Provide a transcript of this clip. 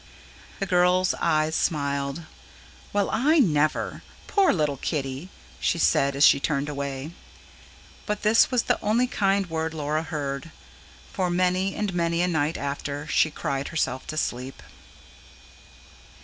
The girl's eyes smiled. "Well, I never! Poor little Kiddy," she said as she turned away. But this was the only kind word Laura heard. For many and many a night after, she cried herself to sleep.